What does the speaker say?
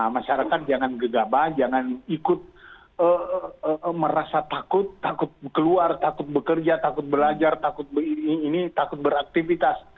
masyarakat jangan gegabah jangan ikut merasa takut takut keluar takut bekerja takut belajar takut beraktivitas